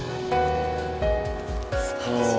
すばらしい。